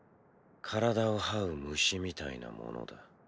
体を這う虫みたいなものだ。